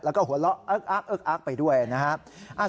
แล้วก็หัวเราะเอิ๊กไปด้วยนะครับ